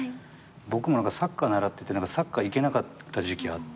僕もサッカー習っててサッカー行けなかった時期あって。